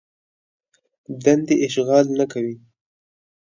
دندې اشغال نه کوي.